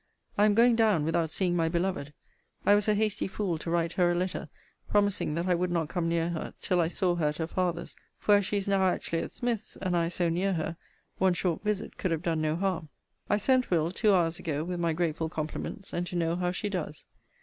I am going down without seeing my beloved. I was a hasty fool to write her a letter, promising that I would not come near her till I saw her at her father's. For as she is now actually at Smith's, and I so near her, one short visit could have done no harm. I sent Will., two hours ago, with my grateful compliments, and to know how she does.